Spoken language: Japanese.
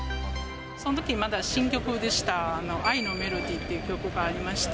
そのときまだ新曲でした、愛のＭｅｌｏｄｙっていう曲がありまして。